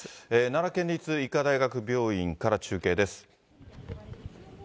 奈良県立医科大学病院から中継です。